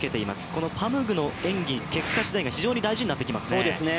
このパムグの演技結果しだいが非常に大事になってきますね。